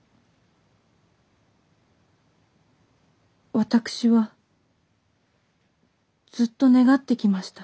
私はずっと願ってきました。